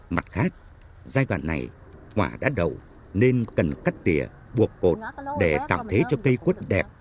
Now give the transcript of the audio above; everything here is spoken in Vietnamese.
mặt khác giai đoạn này quả đã đầu nên cần cắt tỉa buộc cột để tạo thế cho cây quất đẹp